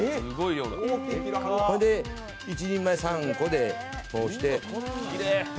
１人前３個で、こうして。